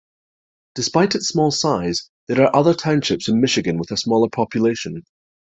Despite its small size, there are other townships in Michigan with a smaller population.